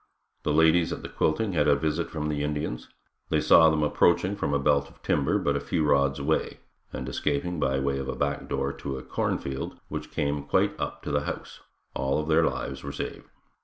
The ladies at the quilting had a visit from the Indians; they saw them approaching from a belt of timber but a few rods away, and escaping by way of a back door to a cornfield which came quite up to the house, all of their lives were saved.